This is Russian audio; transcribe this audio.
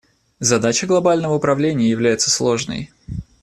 Задача глобального управления является сложной.